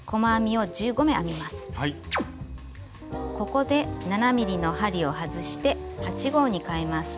ここで７ｍｍの針を外して８／０号にかえます。